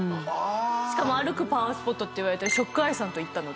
しかも歩くパワースポットっていわれてるＳＨＯＣＫＥＹＥさんと行ったので。